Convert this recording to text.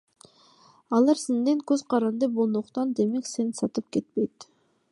Алар сенден көз каранды болгондуктан, демек сени сатып кетпейт.